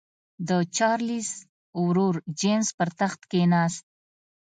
د چارلېز ورور جېمز پر تخت کېناست.